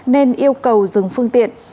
nên yêu cầu dừng phương tiện